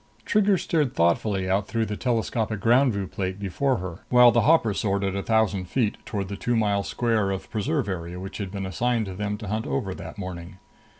Trigger stared thoughtfully out through the telescopic ground view plate before her, while the hopper soared at a thousand feet toward the two mile square of preserve area which had been assigned to them to hunt over that morning.